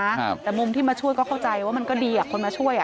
ครับแต่มุมที่มาช่วยก็เข้าใจว่ามันก็ดีอ่ะคนมาช่วยอ่ะ